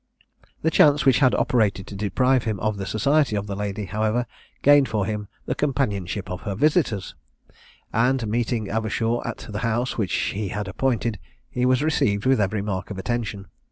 The chance, which had operated to deprive him of the society of the lady, however, gained for him the companionship of her visitors; and, meeting Avershaw at the house which he had appointed, he was received with every mark of attention.